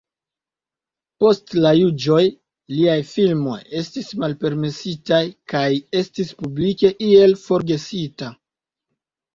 Post la juĝoj, liaj filmoj estis malpermesitaj kaj estis publike iel forgesita.